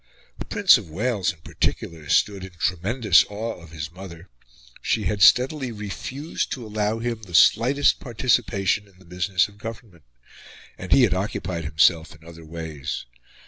The Prince of Wales, in particular, stood in tremendous awe of his mother. She had steadily refused to allow him the slightest participation in the business of government; and he had occupied himself in other ways.